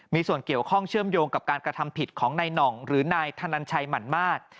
มีส่วนเกี่ยวข้องเชื่อมโยงกับการกระทำผิดของนายหน่องหรือนายธนันชัยหมั่นมาศ